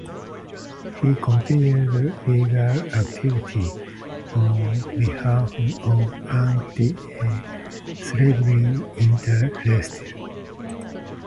He continued legal activity on behalf of anti-slavery interests.